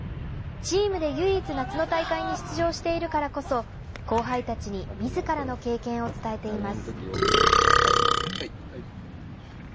チームで唯一、夏の大会に出場しているからこそ後輩たちにみずからの経験を伝えています。